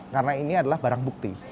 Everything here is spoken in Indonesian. karena ini adalah barang bukti